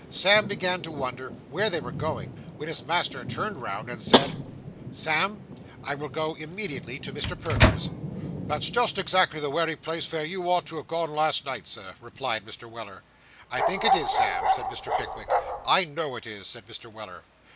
Sam began to wonder where they were going, when his master turned round, and said 'Sam, I will go immediately to Mr. Perker's.' 'That's just exactly the wery place vere you ought to have gone last night, Sir,' replied Mr. Weller. 'I think it is, Sam,' said Mr. Pickwick. 'I _know _it is,' said Mr. Weller.